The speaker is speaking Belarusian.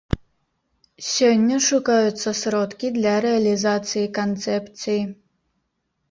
Сёння шукаюцца сродкі для рэалізацыі канцэпцыі.